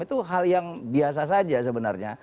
itu hal yang biasa saja sebenarnya